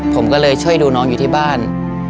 ผมก็เลยช่วยดูน้องอยู่ที่บ้าน